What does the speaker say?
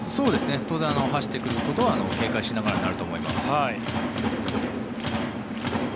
当然、走ってくることは警戒しながらになると思います。